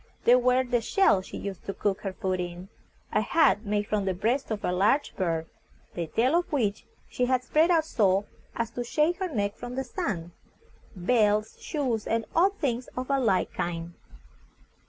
There were the shells she used to cook her food in; a hat made from the breast of a large bird, the tail of which she had spread out so as to shade her neck from the sun; belts, shoes, and odd things of a like kind.